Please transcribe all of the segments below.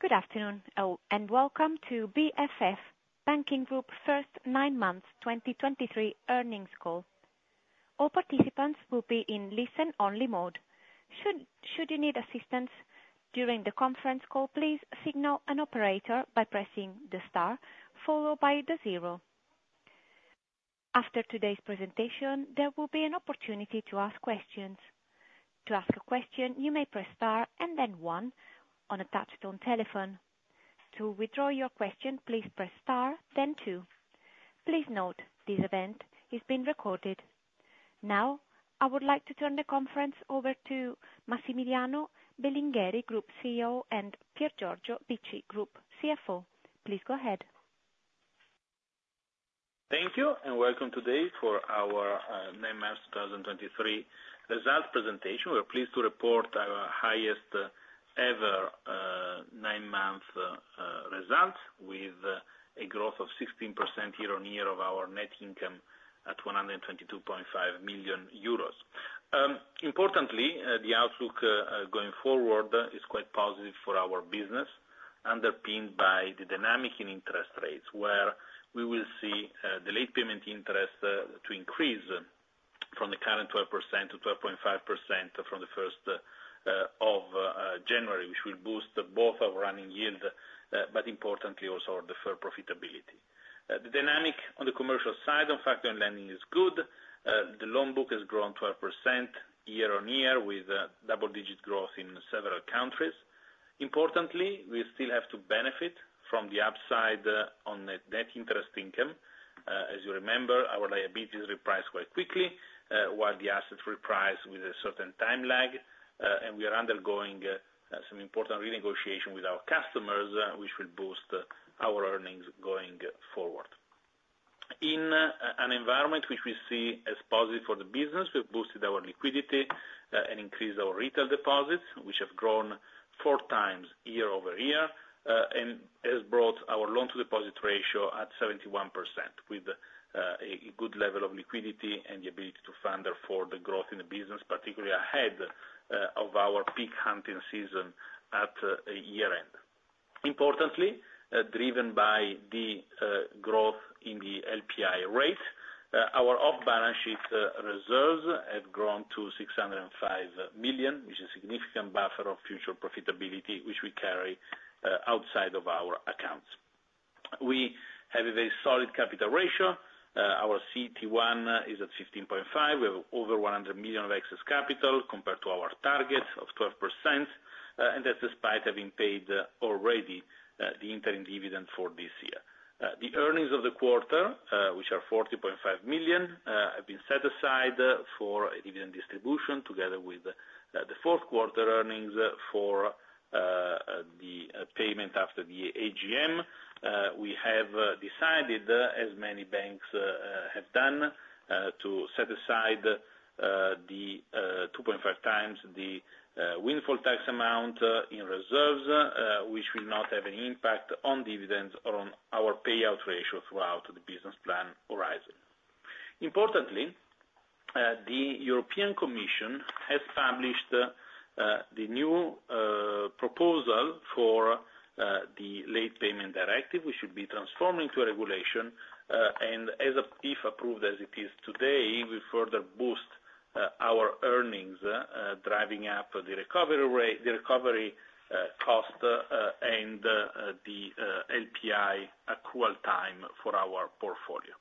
Good afternoon, all, and welcome to BFF Banking Group first nine months 2023 earnings call. All participants will be in listen-only mode. Should you need assistance during the conference call, please signal an operator by pressing the star, followed by the zero. After today's presentation, there will be an opportunity to ask questions. To ask a question, you may press star and then one on a touch-tone telephone. To withdraw your question, please press star, then two. Please note, this event is being recorded. Now, I would like to turn the conference over to Massimiliano Belingheri, Group CEO, and Piergiorgio Bicci, Group CFO. Please go ahead. Thank you, and welcome today for our nine months 2023 results presentation. We're pleased to report our highest ever nine-month result, with a growth of 16% year-on-year of our net income at 122.5 million euros. Importantly, the outlook going forward is quite positive for our business, underpinned by the dynamic in interest rates, where we will see the Late Payment Interest to increase from the current 12% to 12.5% from the first of January, which will boost both our running yield, but importantly also our deferred profitability. The dynamic on the commercial side of factoring and lending is good. The loan book has grown 12% year-on-year, with double-digit growth in several countries. Importantly, we still have to benefit from the upside on net interest income. As you remember, our liabilities reprice quite quickly while the assets reprice with a certain time lag. And we are undergoing some important renegotiation with our customers, which will boost our earnings going forward. In an environment which we see as positive for the business, we've boosted our liquidity and increased our retail deposits, which have grown 4x year-over-year. And has brought our loan-to-deposit ratio at 71%, with a good level of liquidity and the ability to fund the growth in the business, particularly ahead of our peak funding season at year-end. Importantly, driven by the growth in the LPI rate, our off-balance sheet reserves have grown to 605 million, which is a significant buffer of future profitability, which we carry outside of our accounts. We have a very solid capital ratio. Our CET1 is at 15.5. We have over 100 million of excess capital compared to our target of 12%, and that's despite having paid already the interim dividend for this year. The earnings of the quarter, which are 40.5 million, have been set aside for a dividend distribution, together with the fourth quarter earnings for the payment after the AGM. We have decided, as many banks have done, to set aside the 2.5x the windfall tax amount in reserves, which will not have any impact on dividends or on our payout ratio throughout the business plan horizon. Importantly, the European Commission has published the new proposal for the Late Payment Directive, which should be transforming to a regulation, and as of, if approved as it is today, will further boost our earnings, driving up the recovery rate, the recovery cost, and the LPI accrual time for our portfolio.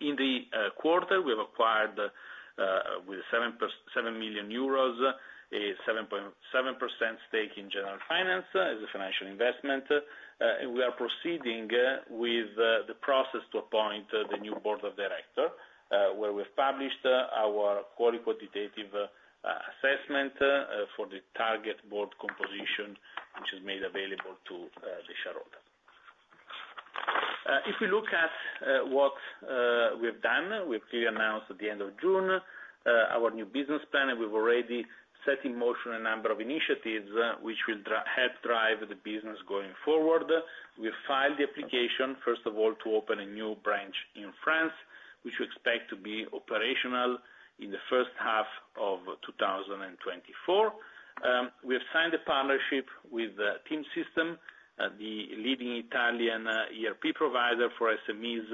In the quarter, we have acquired with 77 million euros, a 7.7% stake in Generalfinance as a financial investment. And we are proceeding with the process to appoint the new board of directors, where we've published our qualitative quantitative assessment for the target board composition, which is made available to the shareholder. If we look at what we've done, we've clearly announced at the end of June our new business plan, and we've already set in motion a number of initiatives which will help drive the business going forward. We filed the application, first of all, to open a new branch in France, which we expect to be operational in the first half of 2024. We have signed a partnership with TeamSystem, the leading Italian ERP provider for SMEs,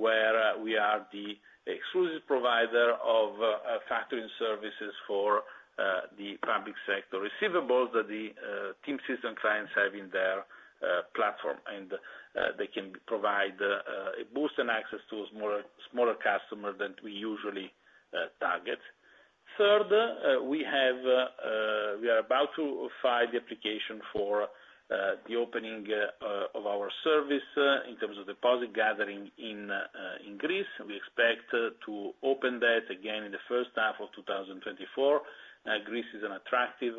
where we are the exclusive provider of factoring services for the public sector receivables that the TeamSystem clients have in their platform. They can provide a boost and access to a smaller, smaller customer than we usually target. Third, we have, we are about to file the application for the opening of our service in terms of deposit gathering in Greece. We expect to open that again in the first half of 2024. Greece is an attractive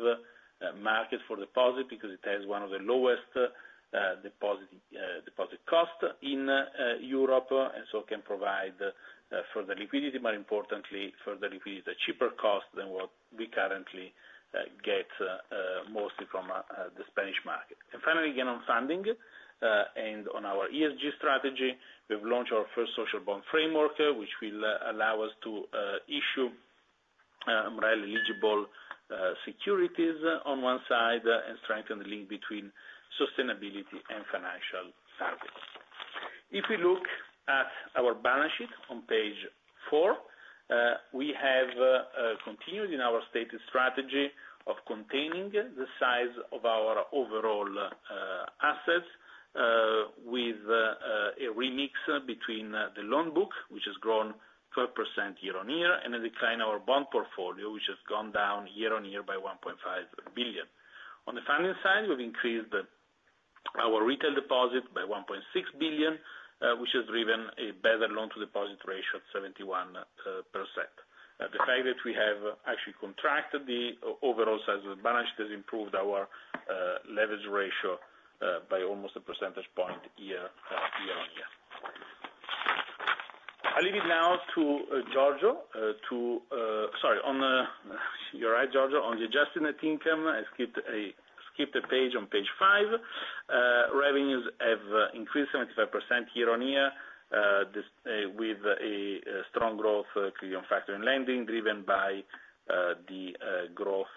market for deposit because it has one of the lowest deposit costs in Europe, and so can provide further liquidity, but importantly, further liquidity at cheaper cost than what we currently get, mostly from the Spanish market. And finally, again, on funding and on our ESG strategy, we've launched our first social bond framework, which will allow us to issue MREL-eligible securities on one side, and strengthen the link between sustainability and financial services. If we look at our balance sheet on page four, we have continued in our stated strategy of containing the size of our overall assets with a remix between the loan book, which has grown 12% year-on-year, and a decline our bond portfolio, which has gone down year-on-year by 1.5 billion. On the funding side, we've increased our retail deposit by 1.6 billion, which has driven a better loan to deposit ratio of 71%. The fact that we have actually contracted the overall size of the balance has improved our leverage ratio by almost a percentage point year-on-year. I leave it now to Giorgio to... Sorry, you're right, Giorgio. On the adjusted net income, I skipped a page on page five. Revenues have increased 75% year-on-year with a strong growth in factoring and lending, driven by the growth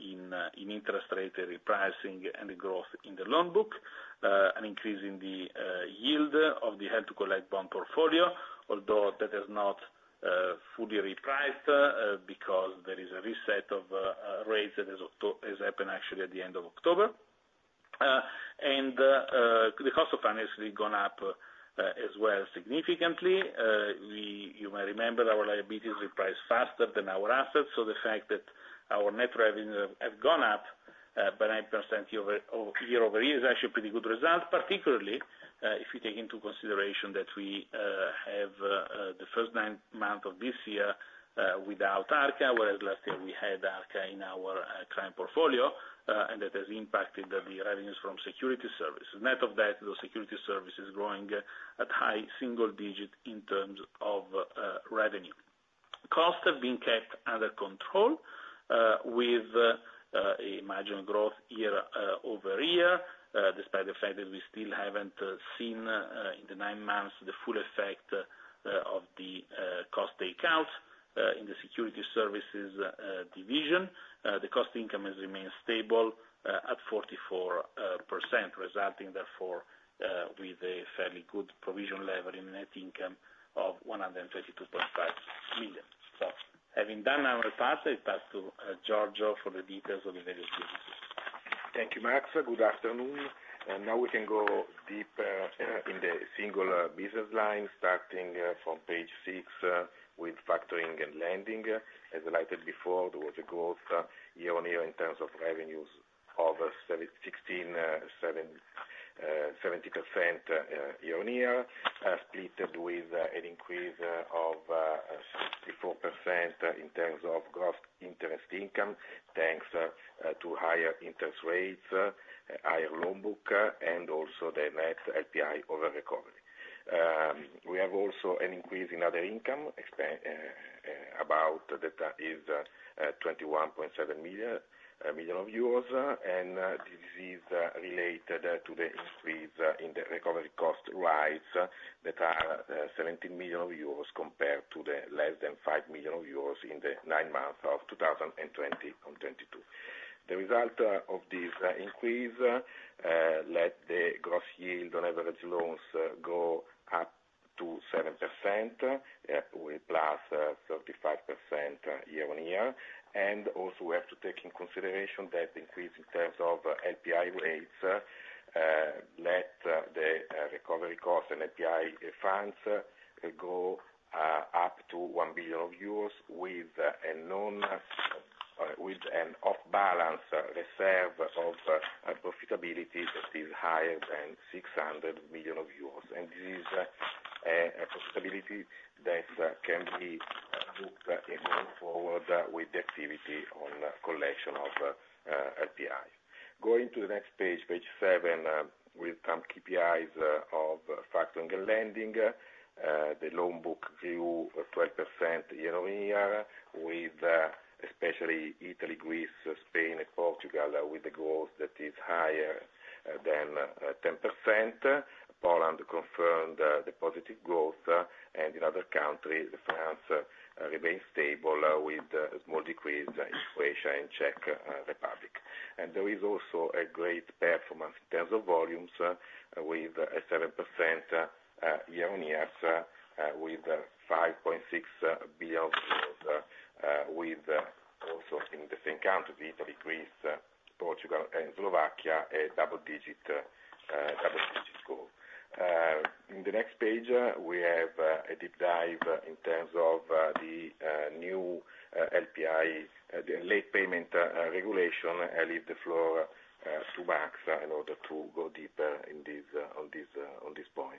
in interest rate repricing and the growth in the loan book, an increase in the yield of the Held-to-Collect bond portfolio, although that is not fully repriced, because there is a reset of rates that has happened actually at the end of October. The cost of funds has gone up as well, significantly. You might remember our liabilities reprice faster than our assets, so the fact that our net revenues have gone up by 9% year-over-year is actually a pretty good result, particularly if you take into consideration that we have the first nine months of this year without Arca, whereas last year we had Arca in our client portfolio, and that has impacted the revenues from security services. Net of that, the security services is growing at high single digit in terms of revenue. Costs have been kept under control with a marginal growth year-over-year, despite the fact that we still haven't seen in the nine months the full effect of the cost take out in the security services division. The cost income has remained stable at 44%, resulting, therefore, with a fairly good provision level in net income of 132.5 million. So having done our part, I pass to Giorgio for the details of the various businesses. Thank you, Max. Good afternoon, and now we can go deeper in the single business lines, starting from page six with factoring and lending. As highlighted before, there was a growth year-on-year in terms of revenues of 76%, year-on-year, split with an increase of 64% in terms of gross interest income, thanks to higher interest rates, higher loan book, and also the net LPI over recovery. We have also an increase in other income of about EUR 21.7 million, and this is related to the increase in the recovery cost rise that are 17 million euros compared to less than 5 million euros in the nine months of 2022. The result of this increase let the gross yield on average loans go up to 7% with 35%+ year-on-year. Also, we have to take in consideration that increase in terms of LPI rates let the recovery costs and LPI funds go up to 1 billion euros with an off-balance reserve of profitability that is higher than 600 million euros. This is a possibility that can be looked at going forward with the activity on collection of LPI. Going to the next page, page 7, with some KPIs of factoring and lending. The loan book grew 12% year-on-year, with especially Italy, Greece, Spain, and Portugal, with the growth that is higher than 10%. Poland confirmed the positive growth, and in other countries, France, remains stable, with small decrease in Croatia and Czech Republic. There is also a great performance in terms of volumes, with a 7% year-on-year, with EUR 5.6 billion, with also in the same countries, Italy, Greece, Portugal, and Slovakia, a double-digit double-digit score. On the next page, we have a deep dive in terms of the new LPI, the late payment regulation. I leave the floor to Max, in order to go deeper in this, on this, on this point.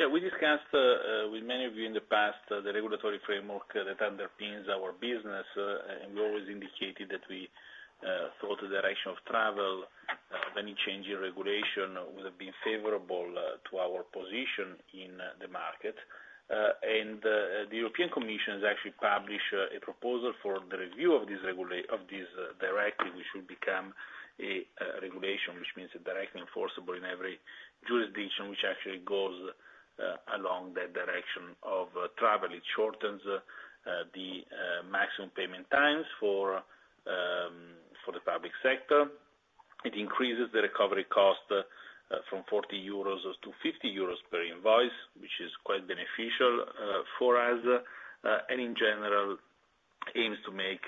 Yeah, we discussed with many of you in the past the regulatory framework that underpins our business, and we always indicated that we thought the direction of travel of any change in regulation would have been favorable to our position in the market. And the European Commission has actually published a proposal for the review of this directive, which will become a regulation, which means a directive enforceable in every jurisdiction, which actually goes-... along the direction of travel. It shortens the maximum payment times for the public sector. It increases the recovery cost from 40-50 euros per invoice, which is quite beneficial for us, and in general, aims to make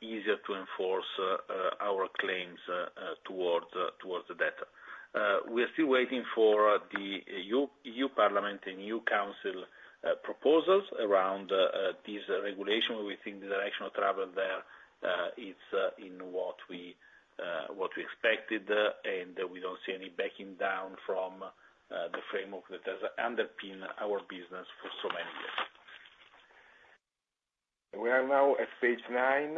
easier to enforce our claims towards towards the debt. We are still waiting for the EU EU Parliament and EU Council proposals around this regulation. We think the direction of travel there is in what we what we expected, and we don't see any backing down from the framework that has underpinned our business for so many years. We are now at page nine,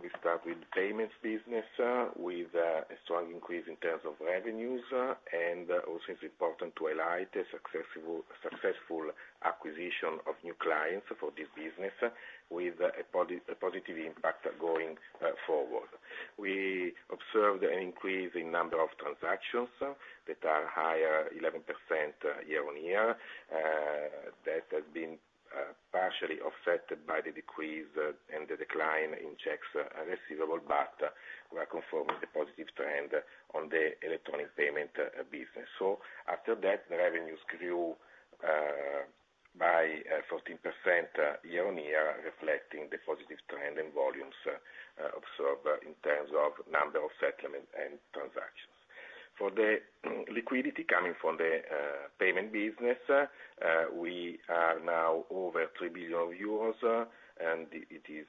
we start with payments business, with a strong increase in terms of revenues, and also it's important to highlight a successful acquisition of new clients for this business, with a positive impact going forward. We observed an increase in number of transactions that are higher 11% year-on-year. That has been partially offset by the decrease and the decline in checks receivable, but we are confirming the positive trend on the electronic payment business. So after that, the revenues grew by 14% year-on-year, reflecting the positive trend and volumes observed in terms of number of settlement and transactions. For the liquidity coming from the payment business, we are now over 3 billion euros, and it is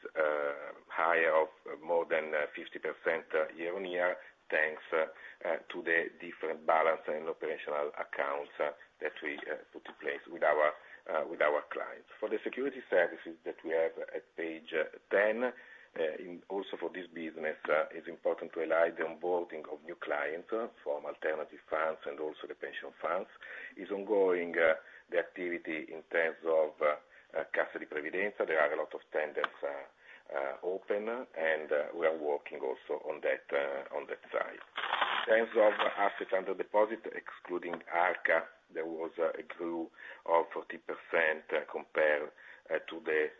higher of more than 50% year-on-year, thanks to the different balance and operational accounts that we put in place with our clients. For the security services that we have at page 10, and also for this business, it's important to highlight the onboarding of new clients from alternative funds and also the pension funds is ongoing, the activity in terms of Cassa di Previdenza. There are a lot of tenders open, and we are working also on that side. In terms of assets under deposit, excluding Arca, there was a growth of 40% compared to the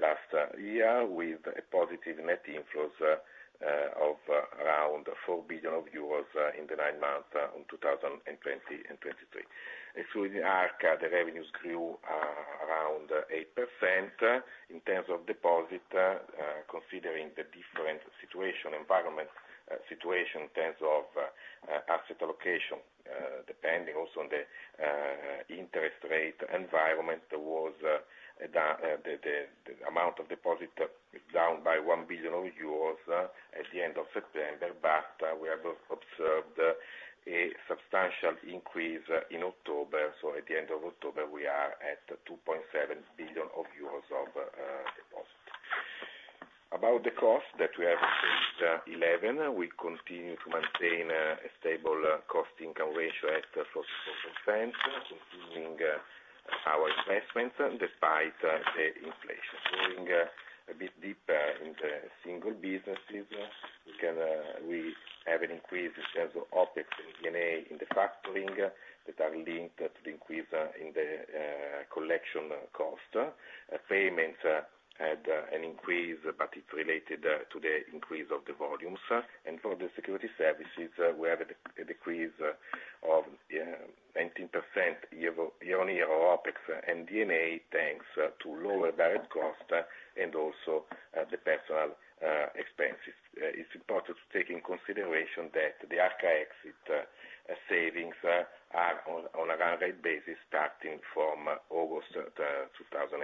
last year, with a positive net inflow of around 4 billion euros in the nine months in 2020 and 2023. Excluding Arca, the revenues grew around 8%. In terms of deposit, considering the different situation, environment, situation in terms of asset allocation, depending also on the interest rate environment was the amount of deposit is down by 1 billion euros at the end of September, but we have observed a substantial increase in October. So at the end of October, we are at 2.7 billion euros of deposit. About the cost that we have at page 11, we continue to maintain a stable cost income ratio at 40%, continuing our investments despite the inflation. Going a bit deeper in the single businesses, we can, we have an increase in terms of OpEx and D&A in the factoring, that are linked to the increase in the collection cost. Payments had an increase, but it's related to the increase of the volumes. And for the security services, we have a decrease of 19% year-over-year OpEx and D&A, thanks to lower direct costs and also the personnel expenses. It's important to take in consideration that the Arca exit savings are on an annual rate basis, starting from August 2020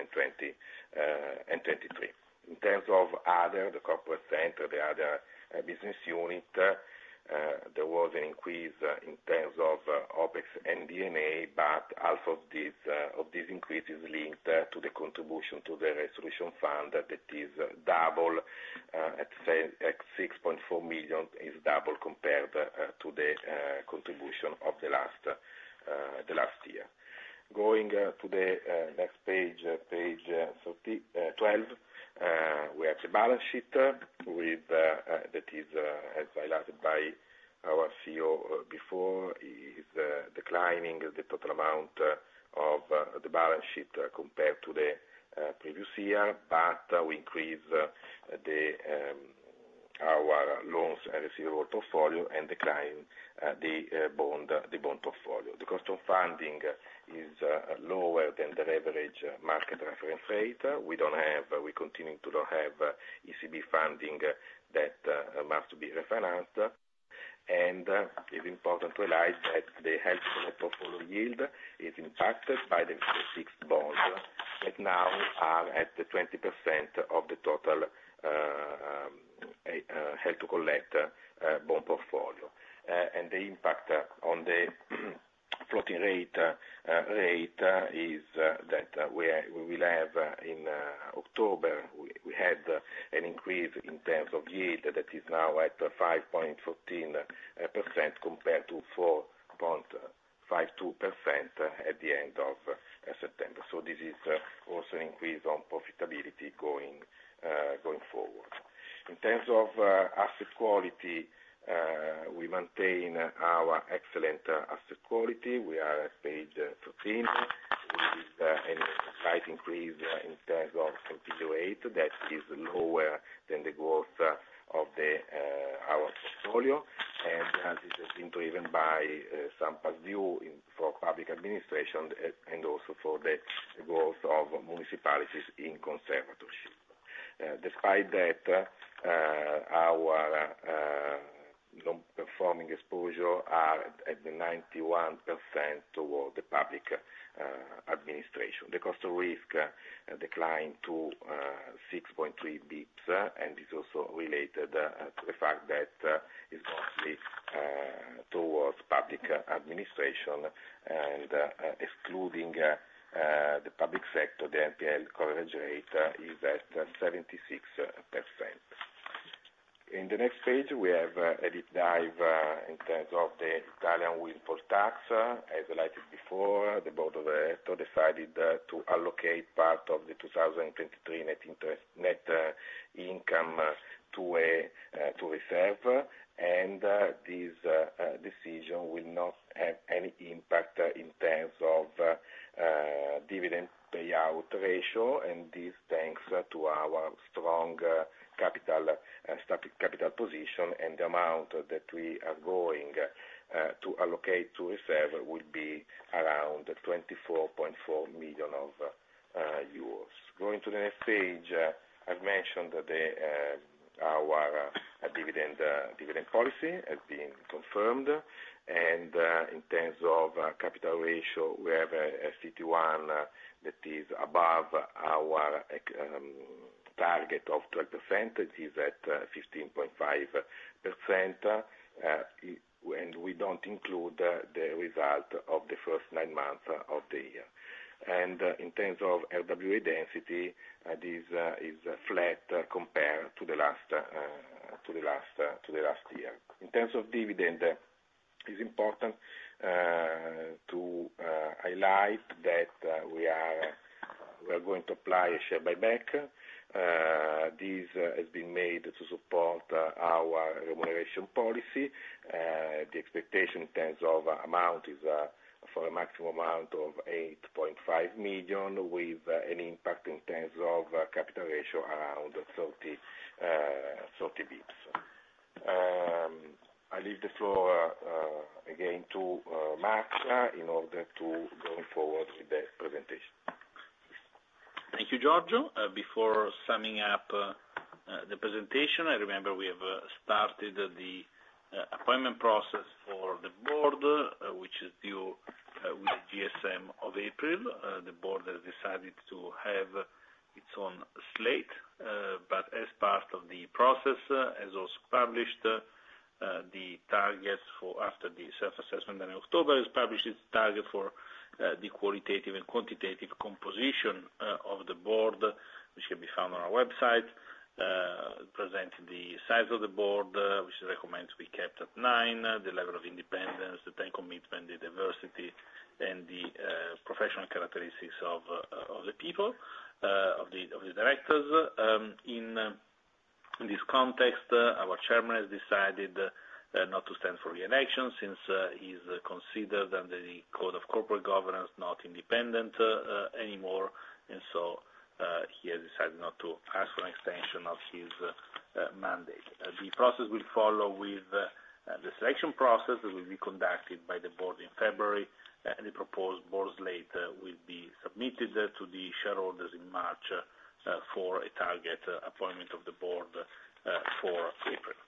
and 2023. In terms of the other, the corporate center, the other business unit, there was an increase in terms of OpEx and D&A, but half of this increase is linked to the contribution to the resolution fund, that is double at 6.4 million, is double compared to the contribution of the last year. Going to the next page, page 31, we have the balance sheet with that is as highlighted by our CEO before is declining the total amount of the balance sheet compared to the previous year, but we increase our loans and receivable portfolio and decline the bond portfolio. The cost of funding is lower than the leverage market reference rate. We don't have, we continue to not have ECB funding that must be refinanced. And it's important to highlight that the health of the portfolio yield is impacted by the fixed bonds that now are at the 20% of the total held-to-collect bond portfolio. And the impact on the floating rate is that we will have in October we had an increase in terms of yield that is now at 5.14%, compared to 4.52% at the end of September. So this is also an increase on profitability going forward. In terms of asset quality, we maintain our excellent asset quality. We are at page 13. We need a slight increase in terms of NPL rate that is lower than the growth of our portfolio, and this has been driven by some past due in for public administration and also for the growth of municipalities in conservatorship. Despite that, our non-performing exposure are at the 91% toward the public administration. The cost of risk declined to 6.3 basis points, and is also related to the fact that is mostly towards public administration, and excluding the public sector, the NPL coverage rate is at 76%. In the next page, we have a deep dive in terms of the Italian windfall tax. As highlighted before, the board decided to allocate part of the 2023 net interest income to a reserve. And this decision will not have any impact in terms of dividend payout ratio, and this thanks to our strong capital position. The amount that we are going to allocate to reserve will be around 24.4 million euros. Going to the next page, I've mentioned that our dividend policy has been confirmed. In terms of capital ratio, we have a CET1 that is above our target of 10%. It is at 15.5%, and we don't include the result of the first nine months of the year. In terms of RWA density, this is flat compared to the last year. In terms of dividend, it's important to highlight that we are going to apply a share buyback. This has been made to support our remuneration policy. The expectation in terms of amount is for a maximum amount of 8.5 million, with an impact in terms of capital ratio around 30 basis points. I leave the floor again to Max in order to going forward with the presentation. Thank you, Giorgio. Before summing up the presentation, I remember we have started the appointment process for the board, which is due with the AGM of April. The board has decided to have its own slate, but as part of the process, as was published, the targets for after the self-assessment in October, has published its target for the qualitative and quantitative composition of the board, which can be found on our website. Presenting the size of the board, which recommends we kept at nine, the level of independence, the team commitment, the diversity, and the professional characteristics of the people of the directors. In this context, our chairman has decided not to stand for re-election, since he's considered under the code of corporate governance, not independent anymore. And so, he has decided not to ask for an extension of his mandate. The process will follow with the selection process that will be conducted by the board in February, and the proposed board slate will be submitted to the shareholders in March for a target appointment of the board for April.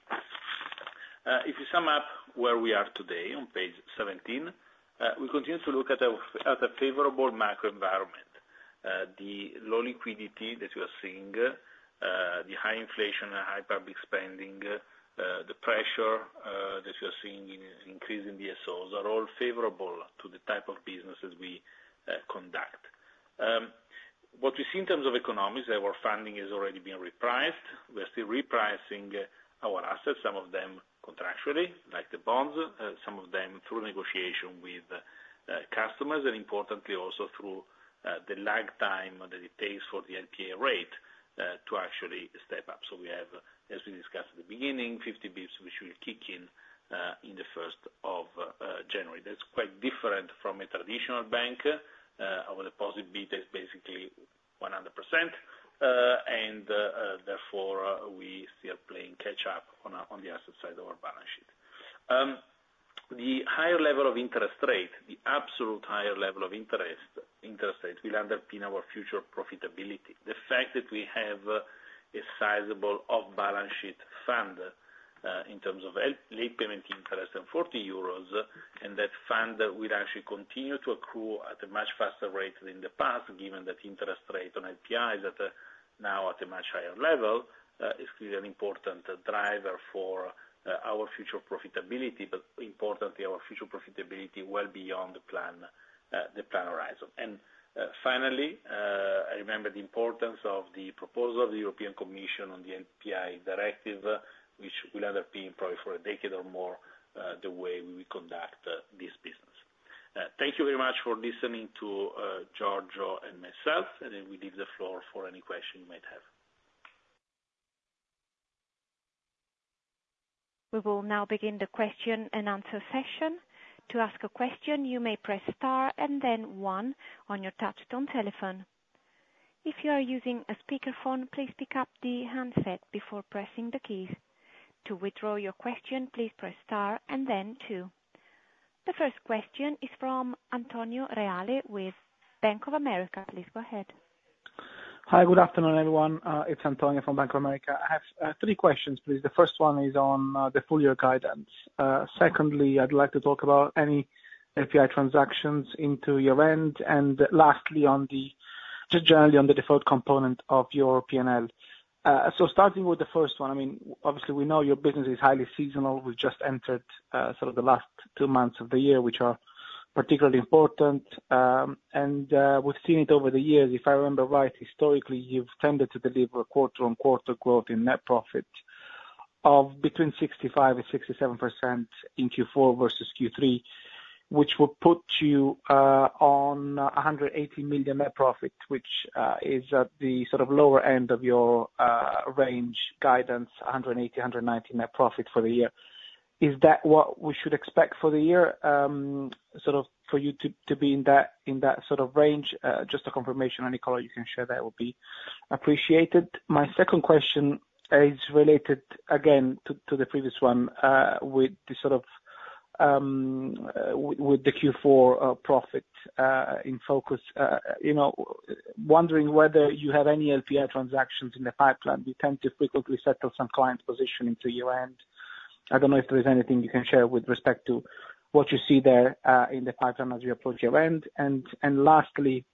If you sum up where we are today, on page 17, we continue to look at a favorable macro environment. The low liquidity that we are seeing, the high inflation and high public spending, the pressure that we are seeing in increasing DSOs, are all favorable to the type of businesses we conduct. What we see in terms of economics, our funding has already been repriced. We are still repricing our assets, some of them contractually, like the bonds, some of them through negotiation with customers, and importantly, also through the lag time that it takes for the LPI rate to actually step up. So we have, as we discussed at the beginning, 50 basis points, which will kick in in the first of January. That's quite different from a traditional bank. Our deposit beta is basically 100%, and therefore, we are still playing catch up on our, on the asset side of our balance sheet. The higher level of interest rate, the absolute higher level of interest rate, will underpin our future profitability. The fact that we have a sizable off-balance sheet fund, in terms of late payment interest and 40 euros, and that fund will actually continue to accrue at a much faster rate than the past, given that interest rate on LPI is at, now at a much higher level, is really an important driver for, our future profitability, but importantly, our future profitability well beyond the plan, the plan horizon. Finally-... Remember the importance of the proposal of the European Commission on the LPI directive, which will underpin probably for a decade or more the way we conduct this business. Thank you very much for listening to Giorgio and myself, and then we leave the floor for any question you might have. We will now begin the question and answer session. To ask a question, you may press star and then one on your touchtone telephone. If you are using a speakerphone, please pick up the handset before pressing the keys. To withdraw your question, please press star and then two. The first question is from Antonio Reale with Bank of America. Please go ahead. Hi, good afternoon, everyone. It's Antonio from Bank of America. I have three questions, please. The first one is on the full year guidance. Secondly, I'd like to talk about any NPL transactions into your end, and lastly, on the just generally on the deferred component of your P&L. So starting with the first one, I mean, obviously, we know your business is highly seasonal. We've just entered sort of the last two months of the year, which are particularly important. We've seen it over the years, if I remember right, historically, you've tended to deliver a quarter-on-quarter growth in net profit of between 65% and 67% in Q4 versus Q3, which would put you on a 180 million net profit, which is at the sort of lower end of your range guidance, 180-190 net profit for the year. Is that what we should expect for the year, sort of for you to be in that sort of range? Just a confirmation, any color you can share there will be appreciated. My second question is related, again, to the previous one, with the Q4 profit in focus. You know, wondering whether you have any LPI transactions in the pipeline. You tend to frequently settle some client positioning to your end. I don't know if there is anything you can share with respect to what you see there in the pipeline as we approach your end. And lastly,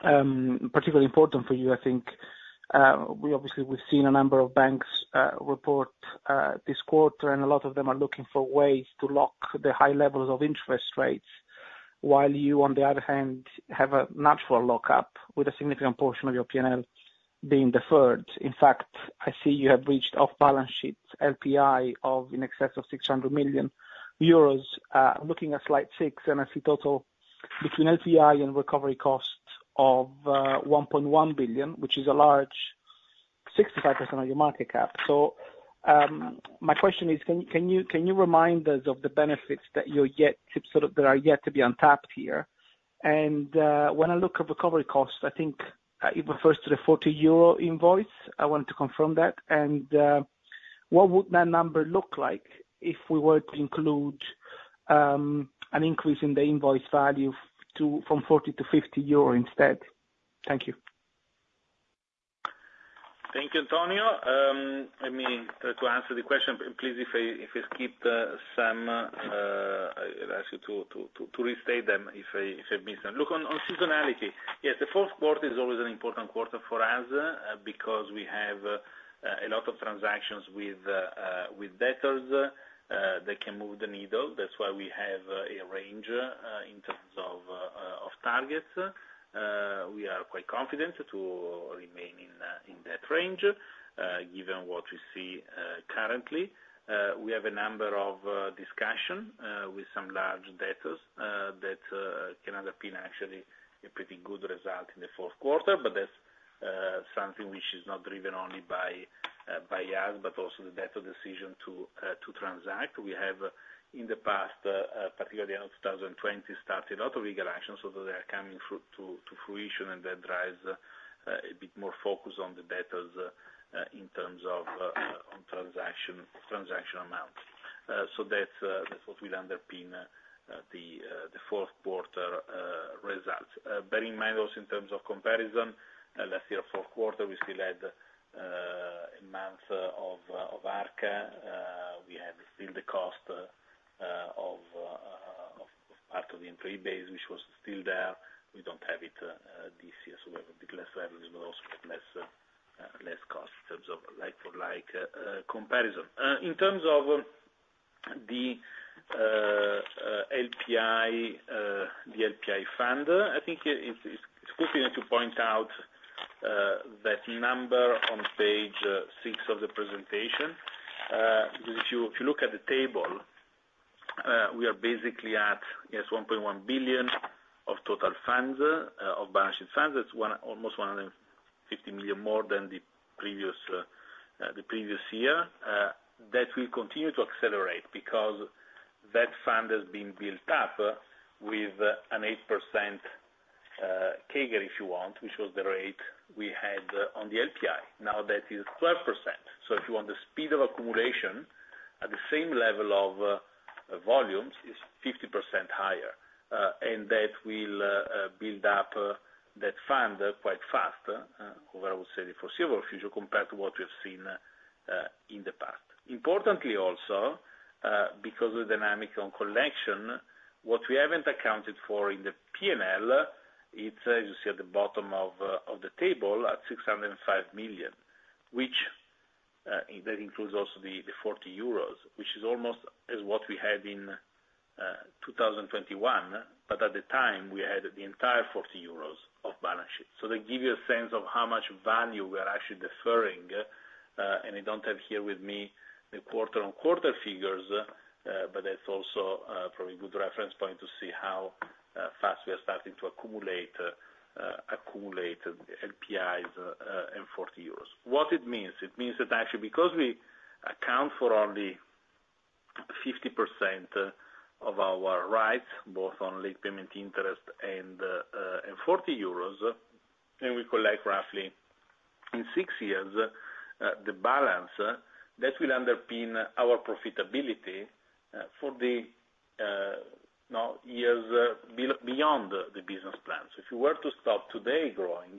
particularly important for you, I think, we obviously we've seen a number of banks report this quarter, and a lot of them are looking for ways to lock the high levels of interest rates, while you, on the other hand, have a natural lockup with a significant portion of your P&L being deferred. In fact, I see you have reached off-balance sheet LPI of in excess of 600 million euros, looking at slide 6, and I see total between LPI and recovery costs of 1.1 billion, which is a large 65% of your market cap. So, my question is, can, can you, can you remind us of the benefits that you're yet to sort of-- that are yet to be untapped here? And, when I look at recovery costs, I think, it refers to the 40 euro invoice. I want to confirm that. And, what would that number look like if we were to include, an increase in the invoice value to, from 40 to 50 euro instead? Thank you. Thank you, Antonio. Let me answer the question, please, if I skip some, I'd ask you to restate them if I missed them. Look, on seasonality, yes, the fourth quarter is always an important quarter for us, because we have a lot of transactions with debtors that can move the needle. That's why we have a range in terms of targets. We are quite confident to remain in that range, given what we see currently. We have a number of discussions with some large debtors that can underpin actually a pretty good result in the fourth quarter. But that's something which is not driven only by us, but also the debtor decision to transact. We have, in the past, particularly in 2020, started a lot of legal actions, so they are coming to fruition, and that drives a bit more focus on the debtors, in terms of on transaction amounts. So that's what will underpin the fourth quarter results. Bear in mind also in terms of comparison, last year, fourth quarter, we still had a month of Arca. We had still the cost of part of the employee base, which was still there. We don't have it this year, so we have a bit less levels, but also less cost in terms of like-for-like comparison. In terms of the LPI, the LPI fund, I think it's good to point out that number on page 6 of the presentation. If you look at the table, we are basically at, yes, 1.1 billion of total funds, of balance sheet funds. That's almost 150 million more than the previous year. That will continue to accelerate because that fund has been built up with an 8% CAGR, if you want, which was the rate we had on the LPI. Now, that is 12%. So if you want the speed of accumulation at the same level of volumes, is 50% higher, and that will build up that fund quite fast over, I would say, the foreseeable future, compared to what we have seen in the past. Importantly, also, because of the dynamic on collection, what we haven't accounted for in the P&L, it's, as you see at the bottom of the table, at 605 million, and that includes also the 40 euros, which is almost as what we had in 2021, but at the time, we had the entire 40 euros of balance sheet. So that give you a sense of how much value we are actually deferring, and I don't have here with me the quarter-on-quarter figures, but that's also probably a good reference point to see how fast we are starting to accumulate LPIs and 40 euros. What it means? It means that actually, because we account for only 50% of our rights, both on late payment interest and forty euros, and we collect roughly in six years the balance that will underpin our profitability for the next years, well beyond the business plan. So if you were to stop today growing,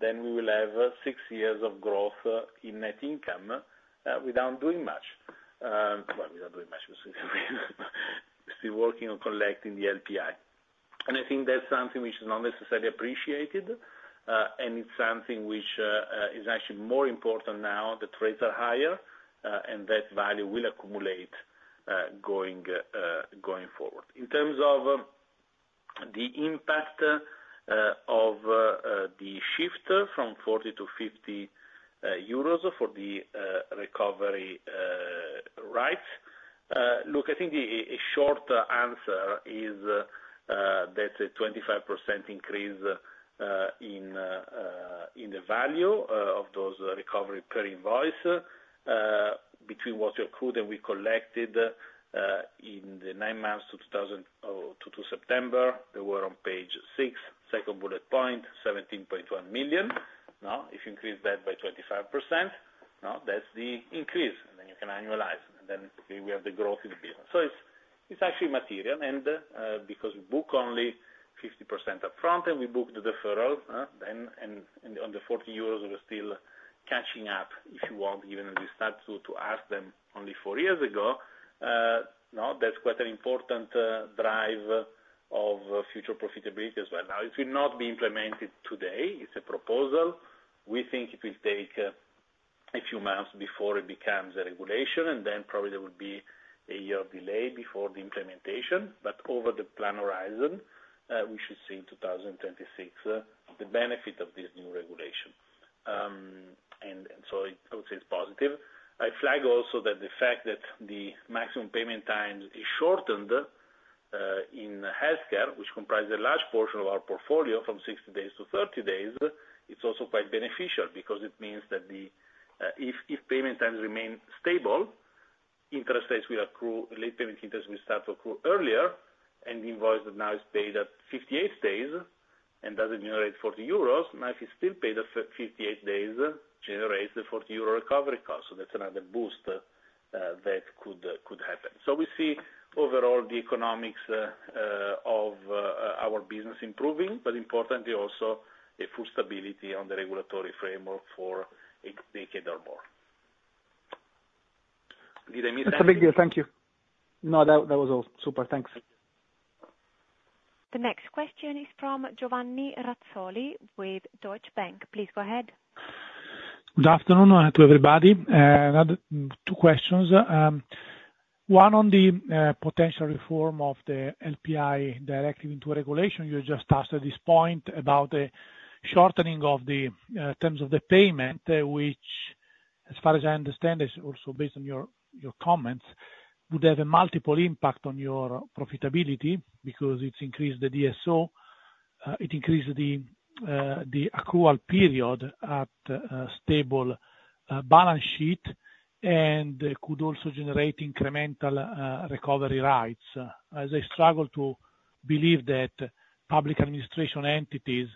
then we will have six years of growth in net income without doing much. Well, without doing much, we working on collecting the LPI. I think that's something which is not necessarily appreciated, and it's something which is actually more important now, the rates are higher, and that value will accumulate going forward. In terms of the impact of the shift from 40 to 50 euros for the recovery rights. Look, I think the short answer is that a 25% increase in the value of those recovery per invoice, between what we accrued and we collected in the nine months to September 2023, they were on page six, second bullet point, 17.1 million. Now, if you increase that by 25%, now that's the increase, and then you can annualize, and then we have the growth in the business. So it's, it's actually material, and, because we book only 50% upfront, and we book the deferral, then, and, on the 40 euros, we're still catching up, if you want, even if we start to, to ask them only four years ago, now that's quite an important, drive of future profitability as well. Now, it will not be implemented today. It's a proposal. We think it will take, a few months before it becomes a regulation, and then probably there would be a year delay before the implementation. But over the plan horizon, we should see in 2026, the benefit of this new regulation and so I would say it's positive. I flag also that the fact that the maximum payment time is shortened in healthcare, which comprises a large portion of our portfolio from 60 days to 30 days, it's also quite beneficial because it means that if payment times remain stable, interest rates will accrue, late payment interest will start to accrue earlier, and the invoice that now is paid at 58 days and doesn't generate 40 euros, now if it's still paid at 58 days, generates the 40 euro recovery cost. So that's another boost that could happen. So we see overall the economics of our business improving, but importantly, also a full stability on the regulatory framework for a decade or more. Did I miss anything? That's a big deal, thank you. No, that, that was all. Super, thanks. The next question is from Giovanni Razzoli with Deutsche Bank. Please go ahead. Good afternoon to everybody. I have two questions. One on the potential reform of the LPI directive into a regulation. You just touched at this point about the shortening of the terms of the payment, which, as far as I understand, is also based on your comments, would have a multiple impact on your profitability because it's increased the DSO, it increased the accrual period at a stable balance sheet, and could also generate incremental recovery rights, as I struggle to believe that public administration entities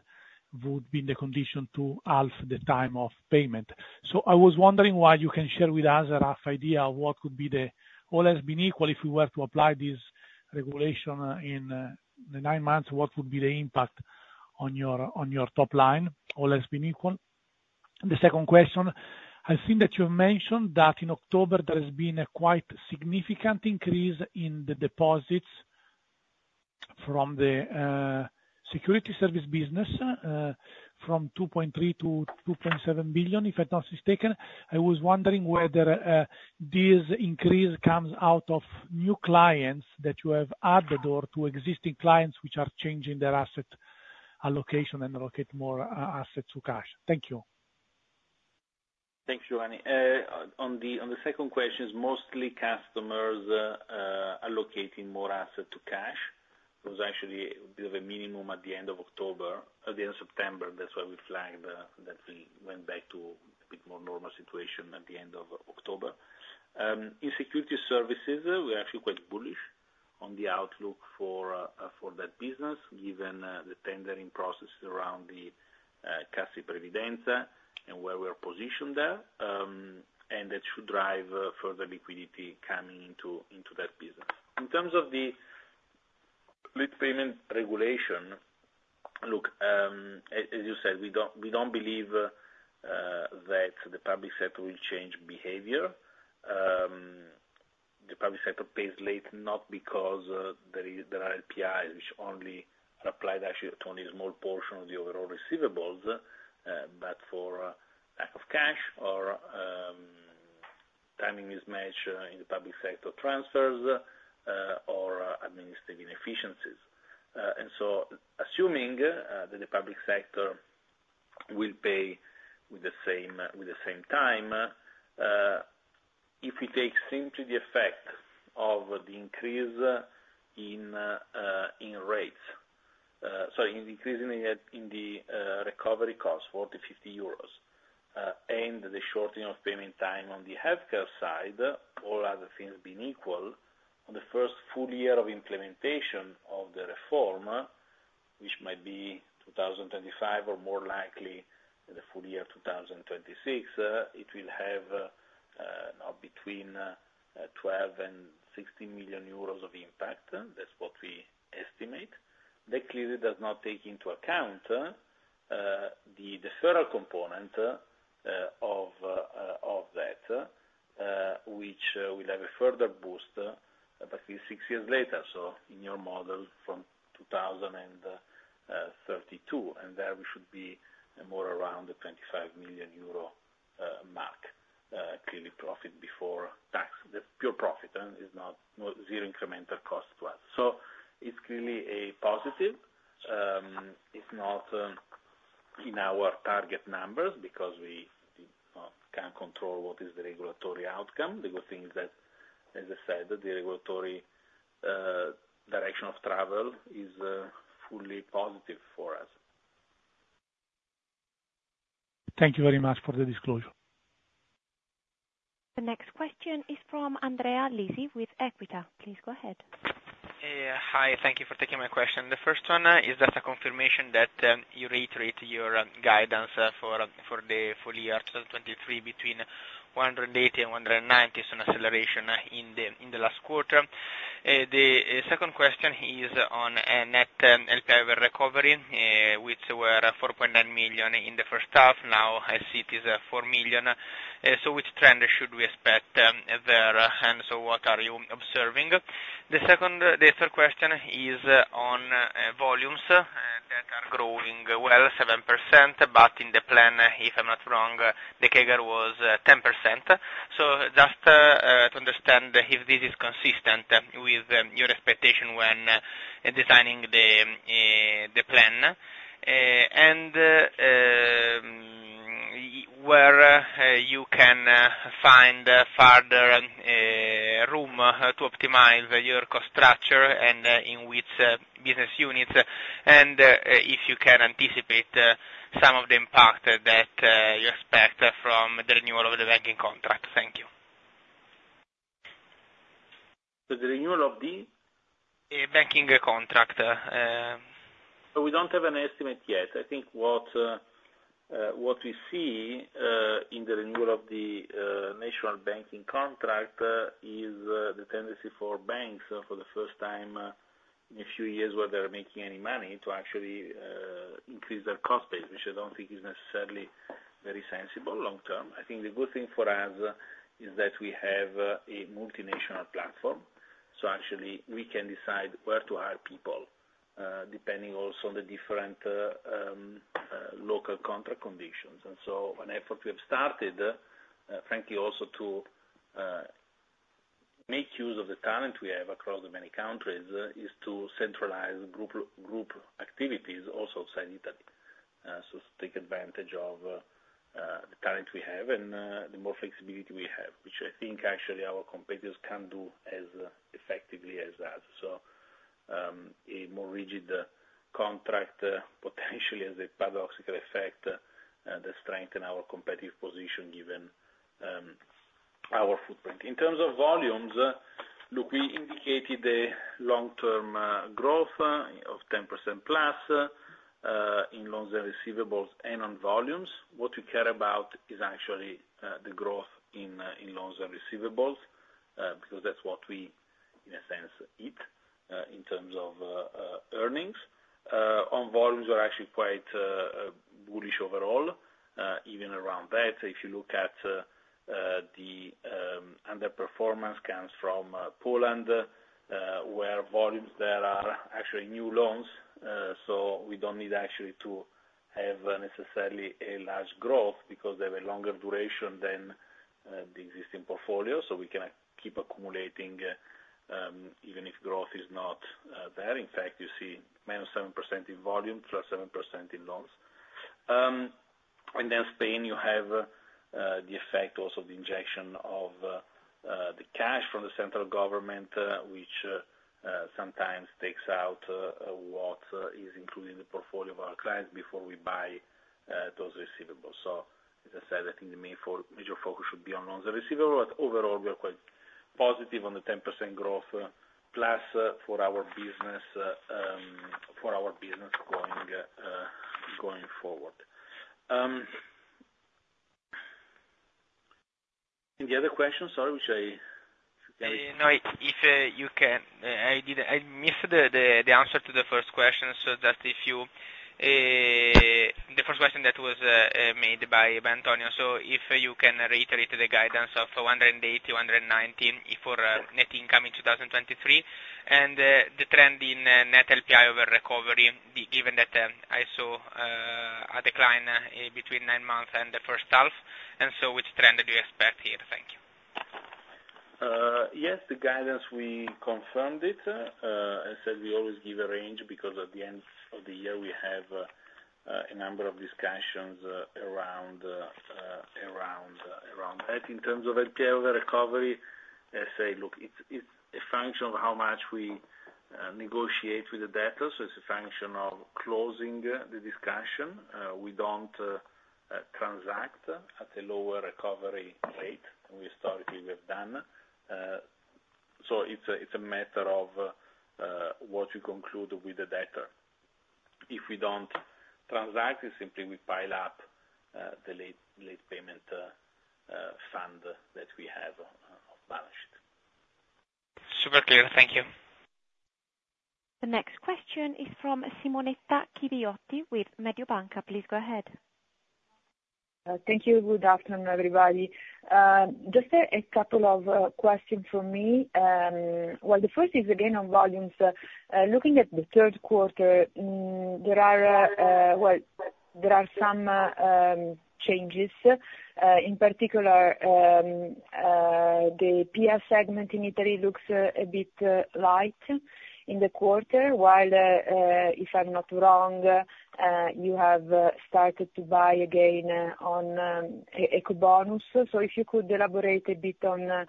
would be in the condition to halve the time of payment. So I was wondering what you can share with us, a rough idea of what could be the... All else being equal, if we were to apply this regulation in the nine months, what would be the impact on your, on your top line, all else being equal? The second question, I've seen that you mentioned that in October, there has been a quite significant increase in the deposits from the securities services business, from 2.3 billion-2.7 billion, if a notice is taken. I was wondering whether this increase comes out of new clients that you have added, or to existing clients which are changing their asset allocation and allocate more assets to cash. Thank you. Thanks, Giovanni. On the second question, it's mostly customers allocating more assets to cash. It was actually a bit of a minimum at the end of October, at the end of September. That's why we flagged that we went back to a bit more normal situation at the end of October. In Securities Services, we're actually quite bullish on the outlook for that business, given the tendering process around the Cassa Previdenza and where we are positioned there. And that should drive further liquidity coming into that business. In terms of the late payment regulation, look, as you said, we don't believe that the public sector will change behavior. The public sector pays late, not because there are APIs, which only apply actually to only a small portion of the overall receivables, but for lack of cash or timing mismatch in the public sector transfers or administrative inefficiencies. So assuming that the public sector will pay with the same, with the same time, if we take simply the effect of the increase in rates, sorry, in the increase in the recovery costs, 40-50 euros, and the shortening of payment time on the healthcare side, all other things being equal, on the first full year of implementation of the reform, which might be 2025 or more likely, the full year of 2026, it will have now between 12 million and 16 million euros of impact. That's what we estimate. That clearly does not take into account the deferral component of that, which will have a further boost, but six years later. So in your model from 2032, and there we should be more around the 25 million euro mark, clearly profit before tax. The pure profit is not zero incremental cost to us. So it's clearly a positive. It's not in our target numbers because we can't control what is the regulatory outcome. The good thing is that, as I said, the regulatory direction of travel is fully positive for us. Thank you very much for the disclosure. The next question is from Andrea Lizzi with Equita. Please go ahead. Hi, thank you for taking my question. The first one is just a confirmation that you reiterate your guidance for the full year 2023, between 180 and 190, so an acceleration in the last quarter. The second question is on a net recovery, which were 4.9 million in the first half. Now, I see it is 4 million. So which trend should we expect there, and so what are you observing? The second, the third question is on volumes that are growing well 7%, but in the plan, if I'm not wrong, the CAGR was 10%. So just to understand if this is consistent with your expectation when designing the plan, and where you can find further room to optimize your cost structure and in which business units, and if you can anticipate some of the impact that you expect from the renewal of the banking contract. Thank you. The renewal of the? Banking contract. So we don't have an estimate yet. I think what we see in the renewal of the national banking contract is the tendency for banks, for the first time in a few years, where they're making any money, to actually increase their cost base, which I don't think is necessarily very sensible long term. I think the good thing for us is that we have a multinational platform, so actually, we can decide where to hire people depending also on the different local contract conditions. And so an effort we have started, frankly, also to make use of the talent we have across the many countries is to centralize group activities also in Sanità. So take advantage of the talent we have and the more flexibility we have, which I think actually our competitors can't do as effectively as us. So a more rigid contract potentially has a paradoxical effect to strengthen our competitive position given our footprint. In terms of volumes, look, we indicated a long-term growth of 10%+ in loans and receivables and on volumes. What we care about is actually the growth in in loans and receivables because that's what we, in a sense, eat in terms of earnings. On volumes, we're actually quite bullish overall even around that. If you look at the underperformance comes from Poland, where volumes there are actually new loans, so we don't need actually to have necessarily a large growth because they have a longer duration than the existing portfolio. So we can keep accumulating even if growth is not there. In fact, you see minus 7% in volume, plus 7% in loans. And then Spain, you have the effect also of the injection of the cash from the central government, which sometimes takes out what is included in the portfolio of our clients before we buy those receivables. So, as I said, I think the major focus should be on loans and receivable, but overall, we are quite positive on the 10% growth plus for our business going forward. Any other question, sorry, which I- No, if you can, I missed the answer to the first question, so just if you first question that was made by Antonio. So if you can reiterate the guidance of 180-190 for net income in 2023, and the trend in net LPI over recovery, given that I saw a decline between nine months and the first half, and so which trend do you expect here? Thank you. Yes, the guidance, we confirmed it. I said we always give a range because at the end of the year, we have a number of discussions around that. In terms of LPI over recovery, let's say, look, it's a function of how much we negotiate with the debtors. It's a function of closing the discussion. We don't transact at a lower recovery rate than we historically have done. So it's a matter of what you conclude with the debtor. If we don't transact, simply we pile up the late payment fund that we have on our balance sheet. Super clear. Thank you. The next question is from Simonetta Chiriotti with Mediobanca. Please go ahead. Thank you. Good afternoon, everybody. Just a couple of questions from me. Well, the first is again on volumes. Looking at the third quarter, there are some changes. In particular, the PF segment in Italy looks a bit light in the quarter, while, if I'm not wrong, you have started to buy again on Ecobonus. So if you could elaborate a bit on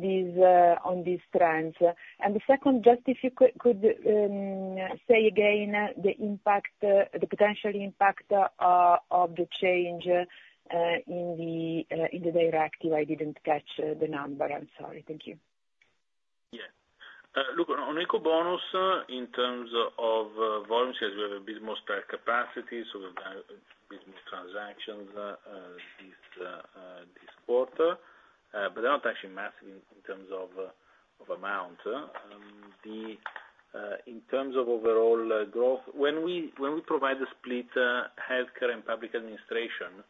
these trends. And the second, just if you could say again the impact, the potential impact, of the change in the directive. I didn't catch the number. I'm sorry. Thank you. Yeah. Look, on Ecobonus, in terms of volumes, yes, we have a bit more spare capacity, so we've had a bit more transactions this quarter. But they're not actually massive in terms of amount. In terms of overall growth, when we provide the split, healthcare and public administration,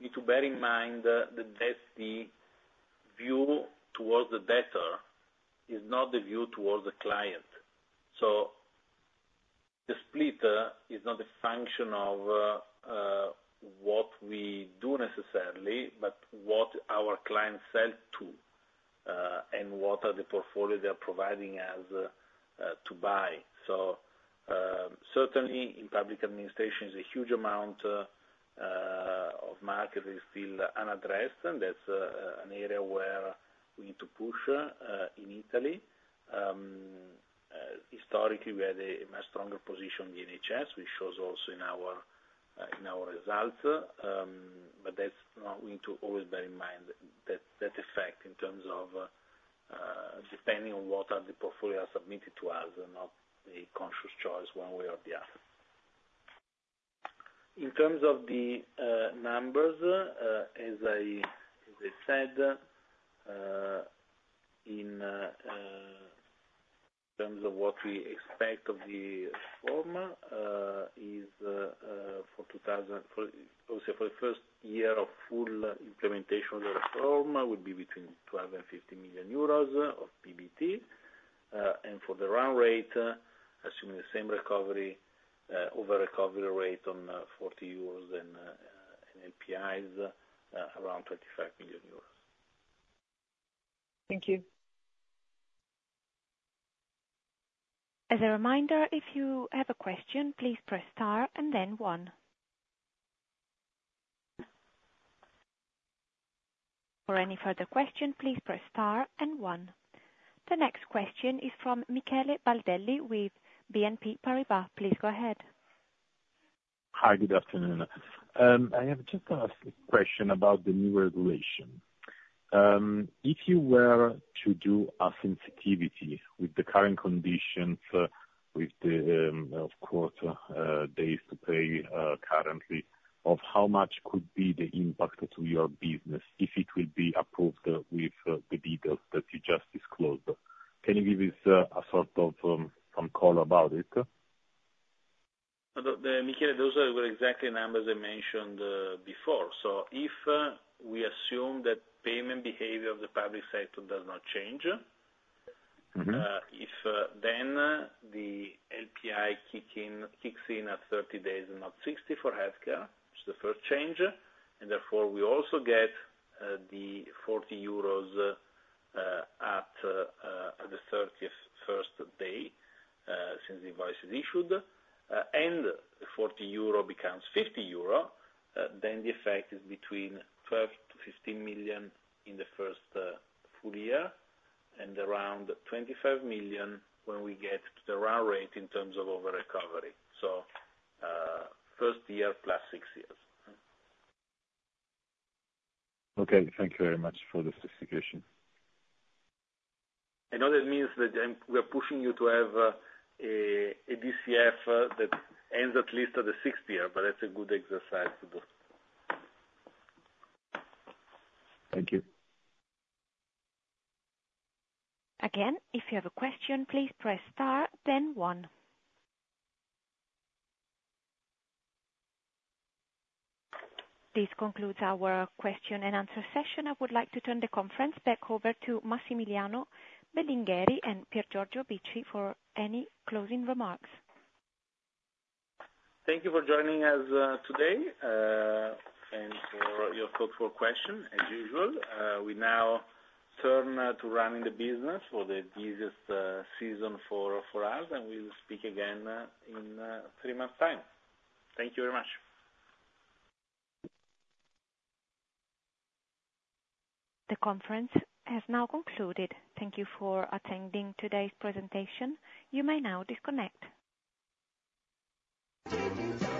you need to bear in mind that the view towards the debtor is not the view towards the client. So the split is not a function of what we do necessarily, but what our clients sell to and what are the portfolio they are providing us to buy. Certainly in public administration is a huge amount of market is still unaddressed, and that's an area where we need to push in Italy. Historically, we had a much stronger position in the NHS, which shows also in our results. But that's we need to always bear in mind that that effect in terms of depending on what are the portfolio submitted to us, and not a conscious choice one way or the other. In terms of the numbers, as I said, in terms of what we expect of the reform is for also for the first year of full implementation of the reform would be between 12 million euros and EUR 15 million of PBT. For the run rate, assuming the same recovery over recovery rate on 40 euros and in NPIs around 25 million euros. Thank you. As a reminder, if you have a question, please press star and then one. For any further question, please press star and one. The next question is from Michele Baldelli, with BNP Paribas. Please go ahead. Hi, good afternoon. I have just a question about the new regulation. If you were to do a sensitivity with the current conditions, with the, of course, days to pay, currently, of how much could be the impact to your business if it will be approved, with, the details that you just disclosed? Can you give us, a sort of, some call about it? Michele, those are the exact numbers I mentioned before. So if we assume that payment behavior of the public sector does not change- Mm-hmm. If then the LPI kicks in at 30 days, and not 60 for healthcare, which is the first change, and therefore, we also get the 40 euros at the 31st day since the invoice is issued, and the 40 euro becomes 50 euro, then the effect is between 12 to 15 million in the first full year, and around 25 million when we get to the run rate in terms of over recovery. So, first year, plus six years. Okay, thank you very much for the specification. I know that means that I'm we're pushing you to have a DCF that ends at least on the sixth year, but that's a good exercise to do. Thank you. Again, if you have a question, please press star, then one. This concludes our question and answer session. I would like to turn the conference back over to Massimiliano Belingheri and Piergiorgio Bicci for any closing remarks. Thank you for joining us, today, and for your thoughtful question, as usual. We now turn to running the business for the busiest season for us, and we will speak again in three months' time. Thank you very much. The conference has now concluded. Thank you for attending today's presentation. You may now disconnect.